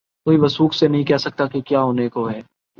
کوئی وثوق سے نہیں کہہ سکتا کہ کیا ہونے کو ہے۔